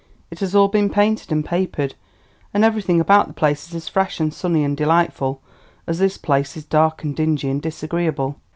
"It has all been painted and papered, and everything about the place is as fresh and sunny and delightful as this place is dark and dingy and disagreeable.